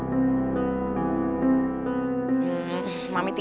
ibu aku mau tidur dulu